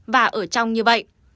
và ở trong như vậy